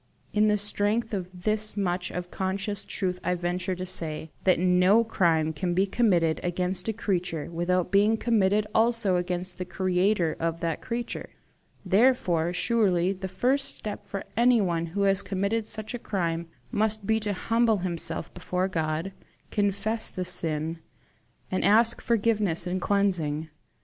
In the strength of this much of conscious truth I venture to say that no crime can be committed against a creature without being committed also against the creator of that creature; therefore surely the first step for anyone who has committed such a crime must be to humble himself before God, confess the sin, and ask forgiveness and cleansing.